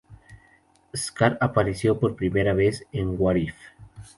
Skaar apareció por primera vez en What If?